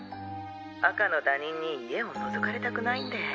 赤の他人に家を覗かれたくないんで。